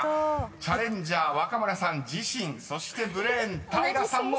［チャレンジャー若村さん自身そしてブレーン平さんも間違えた］